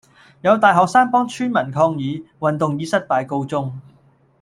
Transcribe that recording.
有大學生幫村民抗議。運動以失敗告終